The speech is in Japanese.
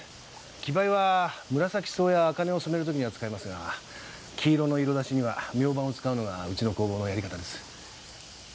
木灰はむらさき草やあかねを染める時には使いますが黄色の色出しにはミョウバンを使うのがうちの工房のやり方です。